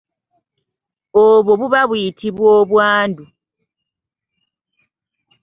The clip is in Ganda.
Obwo buba buyitibwa obwandu.